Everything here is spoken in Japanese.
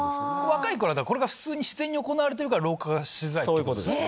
若いころは、これが普通に自然に行われてるから老化がしづらいということです